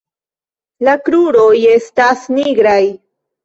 La kruroj estas nigraj.